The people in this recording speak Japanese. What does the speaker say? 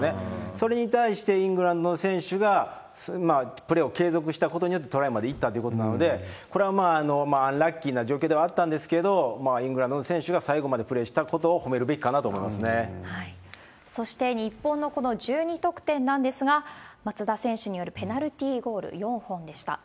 それに対してイングランドの選手がプレーを継続したことによってトライまで行ったっていうことなので、これはアンラッキーな状況ではあったんですけれども、イングランドの選手が最後までプレーしたことをほめるべきかなとそして、日本のこの１２得点なんですが、松田選手によるペナルティゴール４本でした。